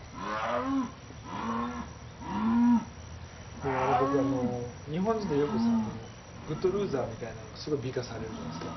もうあれ僕あの日本人でよくさグッドルーザーみたいなのすごい美化されるじゃないですか。